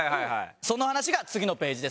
その話が次のページです。